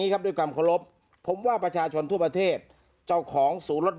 ครับด้วยความเคารพผมว่าประชาชนทั่วประเทศเจ้าของศูนย์รถ